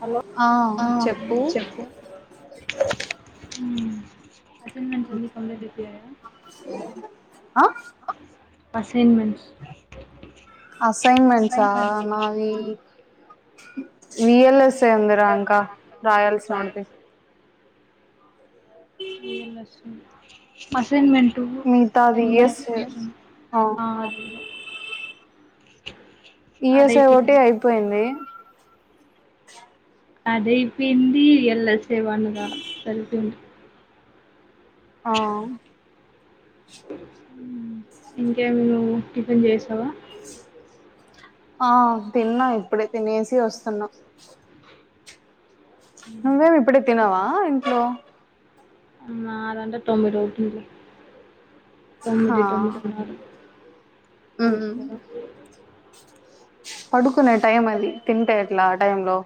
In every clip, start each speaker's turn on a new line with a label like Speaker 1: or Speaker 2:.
Speaker 1: Hello ఆ చెప్పు మ్మ్ అసైన్మెంట్స్ ఉంది పన్నెండుకే
Speaker 2: ఆ అసైన్మెంట్సా నావి విఎల్ఎస్ ఉందిరా ఇంకా రాయాల్సినాది ఒకటి
Speaker 1: అసైన్మెంట్
Speaker 2: మిగతాది ఈఎస్ఏ
Speaker 1: మ్మ్
Speaker 2: ఆ
Speaker 1: [unintelligible]
Speaker 2: ఈఎస్ఐ ఒకటి అయిపోయింది
Speaker 1: అదే పిండి ఎలా సేవన్నదా సెల్ఫీ ఉంట [unintelligible]
Speaker 2: ఆ
Speaker 1: ఇంకా ఏమి టిఫెన్ చేసావా
Speaker 2: ఆ తిన్నాం ఇప్పుడే తినేసి వస్తున్నా నువ్వేమి ఇప్పుడే తినవా ఇంట్లో
Speaker 1: అన్నాం తినాలంటే తొమ్మిది అవుతుంది
Speaker 2: హా
Speaker 1: తొమ్మిది తొమ్మిదిన్నర
Speaker 2: మ్మ్
Speaker 1: ఆలోచన నాకు లేదు
Speaker 2: పడుకునే టైం అది తింటే ఎట్లా ఆ టైం లో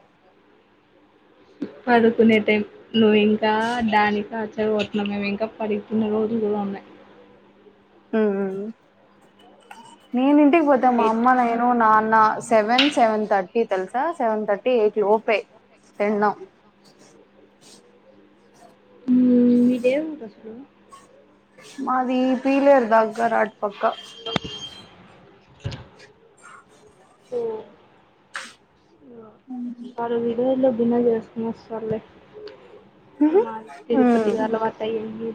Speaker 1: పడుకునే టైం నువ్వు ఇంకా దాన్నె చదువుతున్నావు ఇంకా పడుకునేది ఎప్పుడు అని
Speaker 2: ఊ ఊ ఊ నేను ఇంటికి పోతే మా అమ్మ నేను నాన్న సెవెన్ సెవెన్ థర్టీ తెలుసా సెవెన్ థర్టీ ఎయిట్ లోపే తినడం
Speaker 1: ఉమ్ మీదేం [inaudible] లు
Speaker 2: మాది పీలేరు దగ్గర అటు పక్క
Speaker 1: ఊ వాళు [inaudible] బిన్నా చేసుకోని వస్తారు లే మాది
Speaker 2: హ్మ్
Speaker 1: తిరుపతి అలవాటయ్యింది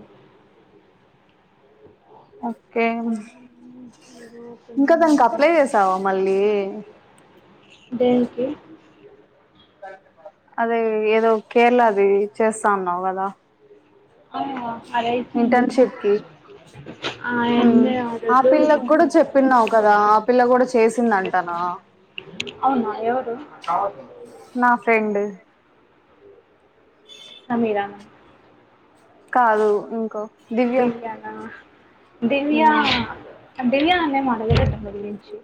Speaker 1: [inaudible]
Speaker 2: ఓకే ఇంకా దానికి అప్లై చేసావా మళ్ళీ
Speaker 1: దేనికి
Speaker 2: అదే ఏదో కేరళ ది చేస్తా ఉన్నావు కదా
Speaker 1: అ అది అయిపోయింది
Speaker 2: హూ ఆ పిల్లకి కూడా చెప్పిన్నావు కదా ఆ పిల్ల కూడా చేసిందంటనా ఆ
Speaker 1: అవునా ఎవరు
Speaker 2: నా ఫ్రెండు
Speaker 1: సమీరా
Speaker 2: కాదు ఇంకో
Speaker 1: దివ్య నా దివ్యా
Speaker 2: హ్మ్
Speaker 1: దివ్య [inaudible] అడగలేదు దాని గురించి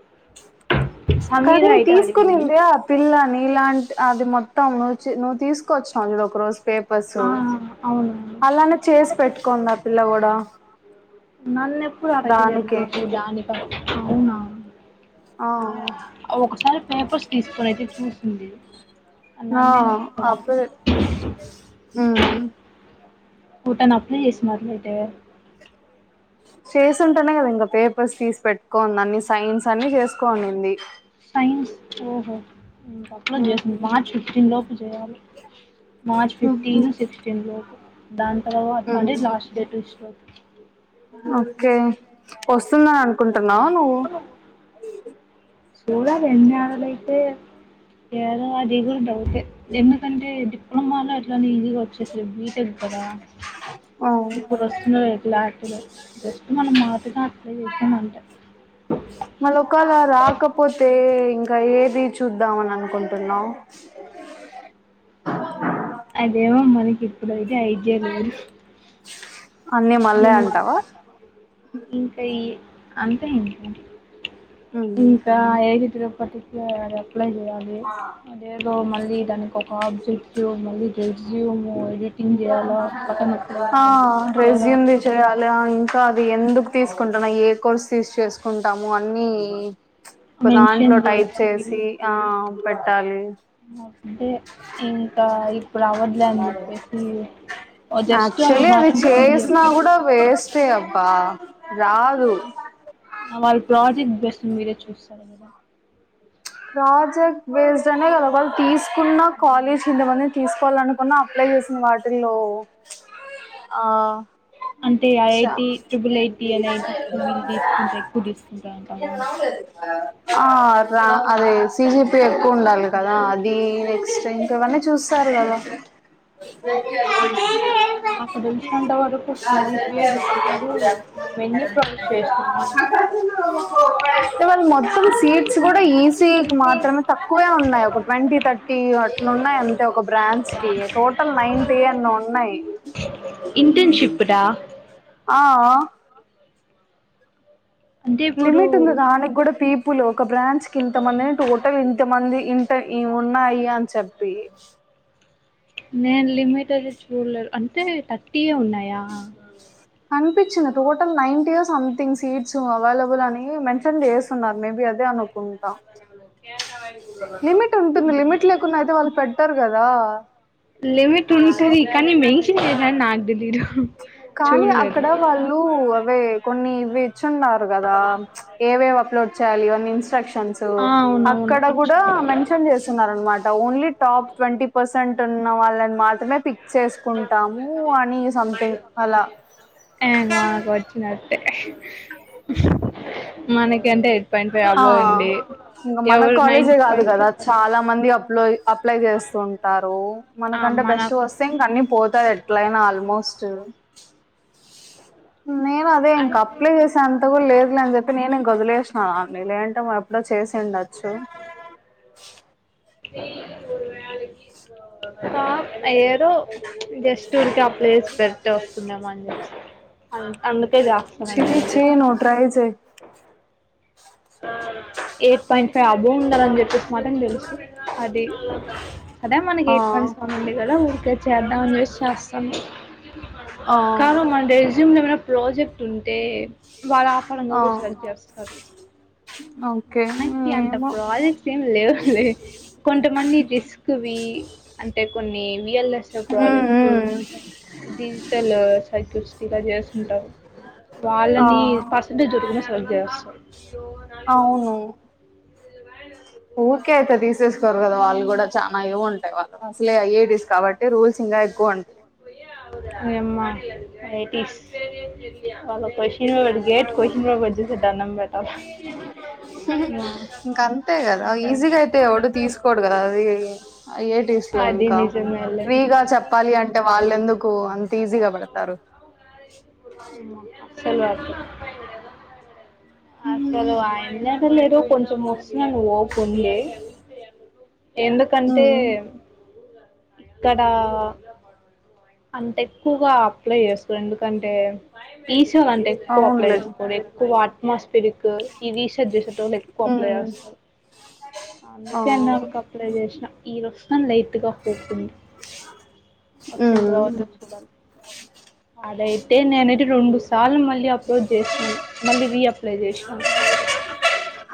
Speaker 1: సమీర
Speaker 2: కానీ
Speaker 1: అయితే అడిగింది
Speaker 2: తీసుకునిందే ఆ పిల్ల నీలాం అది మొత్తం నువ్వు నువ్వు తీసుకొచ్చినావు చూడు ఒక రోజు పేపర్స్
Speaker 1: ఆ అవునండి
Speaker 2: అలానే చేసి పెట్టుకో ఉంది ఆ పిల్ల కూడా
Speaker 1: నన్నెప్పుడూ అడగలేదు
Speaker 2: దానికే
Speaker 1: [inaudible] అవునవును
Speaker 2: ఆ
Speaker 1: ఒకసారి పేపర్స్ తీసుకొని అయితే చూసింది
Speaker 2: ఆ
Speaker 1: నన్నేం [inaudible]
Speaker 2: ఊ
Speaker 1: ఊ తను అప్లై చేసింది అట్లైతే
Speaker 2: చేసింటేనే కదా ఇంక పేపర్స్ తీసి పెట్టుకో ఉంది అన్నిస్ సైన్స్ అన్నీ చేసుకో ఉనింది
Speaker 1: ఊ తొక్కలో చేసింది మార్చ్ ఫిఫ్టీన్ లోపు చేయాలి మార్చ్
Speaker 2: ఉహు
Speaker 1: ఫిఫ్టీన్ సిక్స్టీన్ లోపు దాని తర్వాత
Speaker 2: ఉమ్
Speaker 1: అంటే లాస్ట్ డే ట్యూసడే
Speaker 2: ఓకే వస్తుందని అనుకుం
Speaker 1: సూడాలి ఏం గాదులే తే ఏదో అది కూడా డౌట్ ఏ ఎందుకంటే డిప్లమా లో ఇట్ల ఈజీగా వచ్చేసేది బి టెక్ కదా
Speaker 2: ఆ
Speaker 1: ఇప్పుడు వస్తున్నారు ఏట్లా [inaudible] జస్ట్ మనం [inaudible] గా అప్లై చేసినాం అంటే
Speaker 2: మళ్ళ ఒకేళ రాకపోతే ఇంక్ ఇంకా ఏది చూద్దామని అనుకుంటున్నావ్
Speaker 1: అదేమో మనకి ఇప్పుడు ఐతే ఐడియ లేదు
Speaker 2: అన్ని మళ్ళే అంటావా
Speaker 1: [unintelligible] ఇంకా ఈ అంతే ఇంక ఇంకా [unintelligible] అప్లై చేయాలి అదేదో మళ్ళీ దానికి ఒక ఆబ్జెక్టివ్ మళ్ళీ జూమ్ ఎడిటింగ్ చేయాలా [unintelligible]
Speaker 2: చేయాల ఇంకా అది ఎందుకు తీసుకుంటన ఏ కోర్సు తీసి చేసుకుంటాము అన్నీ ప్చ్ ఒకదాంట్లో టైప్ చేసి ఆ పెట్టాలి
Speaker 1: అంతే ఇంకా ఇప్పుడు అవ్వద్లే అని చెప్పేసి ఓ జస్ట్ అవి
Speaker 2: యాక్చువలీ అది
Speaker 1: మాత్రం
Speaker 2: చేసినా
Speaker 1: పిడిఎఫ్
Speaker 2: కూడా వేస్టే అబ్బా రాదు
Speaker 1: వాళ్ ప్రాజెక్ట్ బెస్. మీరే చూస్తారు కదా!
Speaker 2: ప్రాజెక్ట్ బేస్డ్ అనే కద! వాల్ తీసుకున్న కాలేజ్ కి ఇంతమందిని తీసుకోవాలనుకున్న అప్లై చేసిన వాటిల్లో, ఆ
Speaker 1: అంటే
Speaker 2: ఛ
Speaker 1: ఐఐటి ట్రిపుల్ ఐటి ఎన్ఐటీస్ వీళ్ళు తీసుకుంటే ఎక్కువ తీసుకుంటారంటావా
Speaker 2: ఆ రా అదే సిజీపి ఎక్కువ ఉండాలి కదా! అది నెక్స్ట్ ప్ ఇవన్నీ చూస్తారు కదా!
Speaker 1: నాకు తెలిసినంత వరకు సి జి పి యే చూస్తారు. మనం ఎన్ని ప్రాజెక్ట్స్ చేసినాము అని చూ
Speaker 2: ఏ వాళ్ మొత్తం సీట్స్ కూడా ఈసీ ఈ కి మాత్రమే తక్కువే ఉన్నాయి. ఒక ట్వంటీ థర్టీ అట్లున్నాయి అంతే ఒక బ్రాంచ్ కి. టోటల్ నైన్టి ఎన్నో ఉన్నాయి.
Speaker 1: ఇంటెన్షిప్ డా
Speaker 2: ఆ
Speaker 1: అంటే ఇప్పుడు
Speaker 2: లిమిట్ ఉంది దానికి కూడ పీపుల్ ఒక బ్రాంచ్ కి ఇంతమంది అ టోటల్ ఇంత మంది. ఇంత ఇవున్నాయి అని చెప్పి.
Speaker 1: నేను లిమిట్ అది చూడలేదు. అంటే, థర్టీయే ఉన్నాయా?
Speaker 2: కనిపిచ్చింది. టోటల్ నైన్టీయో సమ్థింగ్ సీట్స్ అవైలబుల్ అని మెన్షన్ చేసున్నారు. మేబీ అది అదే అనుకుంటా. లిమిట్ ఉంటుంది. లిమిట్ లేకున్న అయితే వాళ్ళు పెట్టారు కదా!
Speaker 1: లిమిట్
Speaker 2: సో
Speaker 1: ఉంటది. కానీ మెన్షన్ చేస్నారని నాకు తెలీదు.
Speaker 2: కానీ
Speaker 1: చూడలేదు
Speaker 2: అక్కడ వాళ్ళు, అవే కొన్ని ఇవి ఇచ్చున్నారు కదా! ఏవేవి అప్లోడ్ చేయాలి ఇవన్నీ ఇన్ ట్రక్షన్స్
Speaker 1: ఆ అవునవును
Speaker 2: అక్కడ కూడ మెన్షన్ చేసున్నారు. అనమా ఓన్లీ టాప్ ట్వంటీ పర్సెంట్ ఉన్న వాళ్ళని మాత్రమే, పిక్ చేసుకుంటాము అని సంథింగ్ అల.
Speaker 1: ఇంగ మనకు వచ్చినట్టే
Speaker 2: అ
Speaker 1: మనకి. అంటె,
Speaker 2: ఆ ఇంగ మన
Speaker 1: నైన్
Speaker 2: కాలేజే కాదు
Speaker 1: పాయింట్
Speaker 2: కదా! చాలా మంది అప్లో అప్లై చేస్తు ఉంటారు.
Speaker 1: ఆ
Speaker 2: మనకంటే బెస్ట్
Speaker 1: మనకు
Speaker 2: వస్తే ఇంక అన్ని పోతాయి ఎట్లయినా ఆల్మోస్ట్. నేను అదే ఇంక. అప్లై చేసే అంత కూడ లేదులె అని చెప్పి నేను ఇం వదిలేసినవన్ని. లేదంటే, అప్లై చేసిండచ్చు.
Speaker 1: టాప్ ఏదో జస్ట్ ఊరికే అప్లై చేసి పెడితే వస్తుందేమో అని చెప్పేసి. అన్ అందు టె రాస్తున్న
Speaker 2: చెయ్
Speaker 1: నేనయితే.
Speaker 2: చెయ్ నువ్వు ట్రై చెయ్
Speaker 1: ఎయిట్ పాయింట్ ఫైవ్ అబొవ్ ఉండాలని చెప్పేసి మాత్రం తెలుసు. అది అదే మనకి
Speaker 2: ఆ
Speaker 1: ఎయిట్ పాయింట్ సెవెన్ ఉంది కదా ఊరికే చేద్దాం అని చేసి చేస్తాన్న.
Speaker 2: ఆ
Speaker 1: కామ, మన రెజ్యూమ్ లో ఏమైనా ప్రాజెక్ట్ ఉంటే, వాళ్ ఆపరంగా
Speaker 2: ఆ
Speaker 1: కూడా సర్చ్ చేస్తారు.
Speaker 2: ఓకే
Speaker 1: మనకి అంత
Speaker 2: ఏమో
Speaker 1: ప్రాజెక్ట్స్ ఏమి లేవులే. కొంతమంది రిస్క్వి అంటె కొన్ని రియల్ ఎస్సేవి
Speaker 2: మ్మ్
Speaker 1: ప్రాజెక్ట్స్
Speaker 2: మ్మ్
Speaker 1: డిజిటల్ సర్క్యూట్స్ డివైడ్ చేసుంటావు.
Speaker 2: ఆ
Speaker 1: వాళ్ళని పర్సంటేజ్ దొరుకిన సెలెక్ట్ చేసేస్తారు.
Speaker 2: అవును ఊరికే అయితే తీసేసుకోరు కదా వాళ్ళు కూడ చాల ఇవి ఉంటాయి వాళ్ళు అసలే ఐఐటీస్ కాబట్ టి రూల్స్ ఇంకా ఎక్కువ ఉంటాయి.
Speaker 1: ఐఐటీస్ వాళ్ళ question paper GATE question paper చూస్తే దండం పెట్
Speaker 2: ఇంకా అంతే కదా ఈజిగా అయితే ఎవడు తీసుకు కోడు కదా అది ఐ ఐ టీస్ లో
Speaker 1: అది
Speaker 2: ఇంకా
Speaker 1: నిజమేలే
Speaker 2: ఫ్రీగా చెప్పాలి అంటే వాళ్ళెందుకు అంత ఈజీగా పడతారు
Speaker 1: సేలవార్ అసలు [unintelligible] లేదు కొంచెం వస్తుంది అని హోప్ ఉంది ఎందుకంటే
Speaker 2: ఉమ్
Speaker 1: ఇక్కడ అంత ఎక్కువగా అప్లై చేస్తారు ఎందుకంటే ఈస్ట్ అంటే ఎక్కువ అప్లై
Speaker 2: అవునులే
Speaker 1: చేసుకోరు ఎక్కువ అట్మాస్ పెరుకు అది ఈ రీసెర్చ్ చేసెటోళ్ళు ఎక్కువ అప్లై
Speaker 2: ఉమ్
Speaker 1: చేస్తారు
Speaker 2: ఆ
Speaker 1: అందుకేన్న అప్లై చేసిన ఈ దోస్తున్ లే కొద్దిగా హోప్ ఉంది వచింది
Speaker 2: ఉమ్
Speaker 1: రాంది చూడాలి ఆడై అంటే నేనతే రెండు సార్లు మళ్ళీ అప్లోడ్ చేసినాను మళ్ళీ రీఅప్లోడ్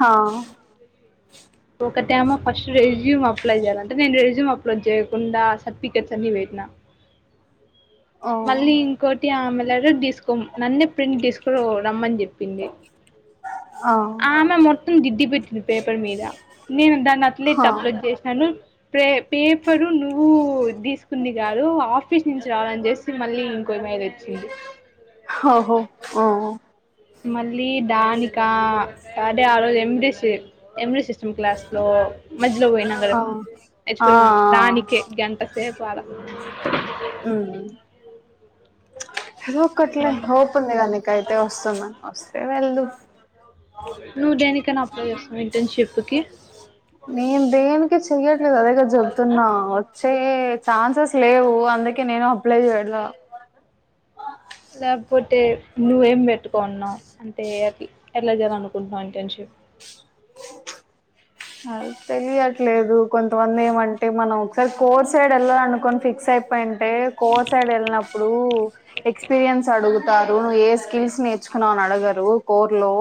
Speaker 2: హా
Speaker 1: ఒక టేమ ఫస్ట్ రెజ్యూమ్ అప్లై చేయాలంటే నేను రెజ్యూమ్ అప్లోడ్ చేయకుండా సర్టిఫికేట్స్ అన్ని పెట్టినా
Speaker 2: ఓ
Speaker 1: మళ్ళీ ఇంకోటి ఆమె లెటర్ తీస్కో నన్నే ప్రింట్ తీసుకో [unintelligible] రమ్మని చెప్పింది
Speaker 2: ఆ
Speaker 1: ఆమె మొత్తం దిద్ధి పెట్టింది పేపర్ మీద నేను దాన్ని అట్లే
Speaker 2: హా
Speaker 1: తప్లోడ్ జేసినాను ప్రే పే పరు నువ్వు తీసుకుంది కాదు ఆఫీస్ నుంచి రావాలని చేసి మళ్ళీ ఇంకో మెయిల్ వచ్చింది
Speaker 2: ఓహోఓ
Speaker 1: మళ్ళీ దానికా అదే ఆ రోజు [unintelligible] క్లాస్ లో మధ్యలో పోయినాం కదా
Speaker 2: ఆ ఆ ఆ
Speaker 1: యాక్చువల్లీ మనం దానికే గంట సేపు ఆడ
Speaker 2: ఉ ఏదో ఒక్కట్లే హోపు ఉంది కదా నికైతే వస్తుందని వస్తే వెళ్దు
Speaker 1: నువ్వు దేనికైనా అప్లై చేస్తావ ఇంటర్న్ షిప్ కి
Speaker 2: కె చెయ్యట్లేదు అదే కద చెబుతున్నా వచ్చే ఛాన్సెస్ లేవు అందుకే కే నేను అప్లై చేయలా
Speaker 1: లేకపోతే నువ్వేం పెట్టుకున్నావు అంటే అ ఎట్లా చేయాలనుకుంటున్నాం ఇంటెన్షిప్
Speaker 2: అదే తెలియట్లేదు కొంతమంది ఏమంటే మనం ఒకసారి కోర్స్ సైడ్ వెళ్ళాలనుకోని ఫిక్స్ అయిపోయి అంటే కోర్ సైడ్ వెళ్ళినప్పుడు ఎక్స్పీరియన్స్ అడుగుతారు నువ్వు ఏ స్కిల్స్ నేర్చుకున్నావు అని అడగరు కోర్ లో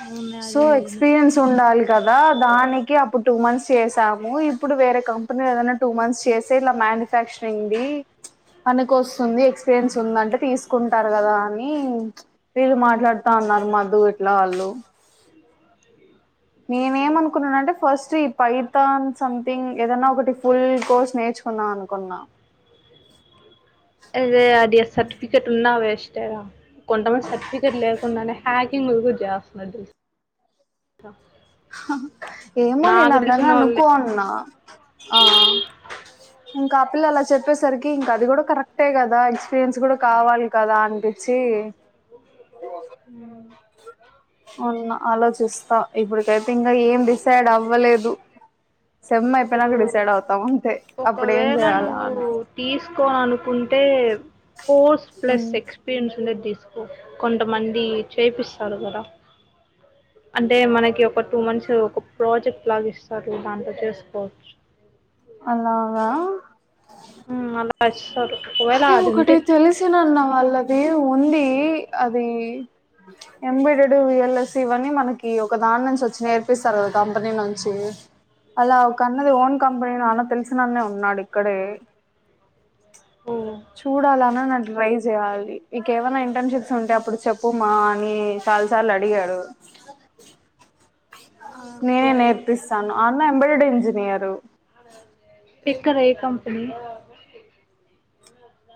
Speaker 1: అవునే
Speaker 2: సో
Speaker 1: అది నిజమే
Speaker 2: ఎక్స్పీరియన్స్ ఉండాలి కదా దానికి అప్పుడు టూ మంత్స్ చేసాము ఇప్పుడు వేరే కంపెనీ ఏదైనా టూ మంత్స్ చేసే ఇలా మ మ్యానుఫ్యాక్చరింగ్ది పనికి వస్తుంది ఎక్స్పీరియన్స్ ఉందంటే తీసుకుంటారు కదా అని వీళ్రు మాట్లాడుత అన్నారు మధు ఇట్లా వాళ్ళు నేను ఏమనుకున్నానంటే ఫస్ట్ చి పైతాన్ సంథింగ్ ఏదన్నా ఒకటి ఫుల్ కోర్స్ నేర్చుకుందం అనుకున్నా
Speaker 1: అదే అది సర్టిఫికెట్ ఉన్నా వెస్ట్ రా కొంటమంది సర్టిఫికెట్ లేకుండానే హ్యాకింగ్ కూడా చేస్తున్నారు తెలుసా
Speaker 2: ఏమో నేను
Speaker 1: నాకు
Speaker 2: అదని
Speaker 1: తెలిసినోళ్ళే
Speaker 2: అనుకోన్నా ఆ ఇంకా ఆ పిల్ల అలా చెప్పేసరికి ఇంకా అది కూడా కరెక్టే కదా ఎక్స్పీరియన్స్ కూడా కావాలి కదా అనిపించి అవునా అలోచిస్త [unintelligible] ఇప్పుడికైతే ఇంకా ఏం డిసైడ్ అవ్వలేదు సేమ్
Speaker 1: అసలు
Speaker 2: అయిపోయినాక డిసైడ్ అవుతాం అంతె
Speaker 1: ఒకవేళ నువ్వు తీసుకో అనుకుంటే కోర్స్ ప్లస్
Speaker 2: ఉమ్
Speaker 1: ఎక్స్పీరియన్స్ ఉండేది తీసు కొ కొంతమంది చేపిస్తారు కదా. అంటే మనకి ఒక టూ మంత్స్ ఒక ప్రాజెక్ట్ లాగా ఇస్తారు దాంట్లో చేస్ కోవచ్చు.
Speaker 2: అలాగా.
Speaker 1: ఉమ్ అలా ఇస్తారు. ఒకవేళ
Speaker 2: అది ఒకటి
Speaker 1: ఉంటే చూడు
Speaker 2: తెలిసినన్న వాళ్ళది ఉంది. అది ఎంబయిడెడు, విఎల్ఎస్ ఇవన్నీ మనకి ఒక దాని నుంచి వచ్చి నేర్పిస్తారు కదా కంపెనీ నుంచి. అలా ఒక అన్నది ఓన్ కంపెనీను అన్న తెలిసినన్న ఉన్నాడు ఇక్కడే.
Speaker 1: హు
Speaker 2: చూడాలనన్నా ట్రై చేయాలి. ఇంకేవన్నా ఇంటర్న్షిప్స్ ఉంటే అప్పుడు చెప్పుమా అని చాలాసార్లు అడిగాడు. నేనే
Speaker 1: ఆహా.
Speaker 2: నేర్పిస్తాను. ఆ అన్నా ఎంబాడెడ్ ఇంజనీయరు.
Speaker 1: ఎక్కడ ఏ కంపెనీ?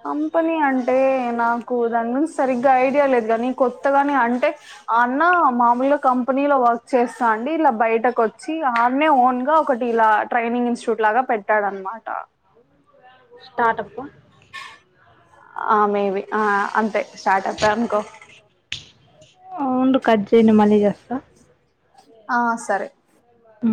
Speaker 2: కంపెనీ అంటే నాకు దాని గురించి సరిగ్గా ఐడియా లేదు కానీ కొత్తగనే అంటే ఆ అన్నా మామూలుగా కంపెనీలో వర్క్ చేస్తాండి, ఇలా బయటకు వచ్చి ఆ అన్నే ఓన్గా ఒకటి ఇలా ట్రైనింగ్ ఇన్స్టిట్యూట్ లాగా పెట్టాడు అనమాట.
Speaker 1: స్టార్టపా
Speaker 2: ఆ మేబి ఆ అంతే స్టార్టప్పే అనుకో.
Speaker 1: అవుండు కట్చేయు నేను మళ్ళీ చేస్తా.
Speaker 2: ఆ సరే.
Speaker 1: ఆ